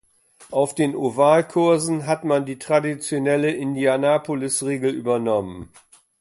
Auf den Ovalkursen hat man die traditionelle Indianapolis-Regel übernommen.